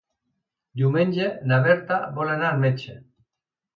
Diumenge na Berta vol anar al metge.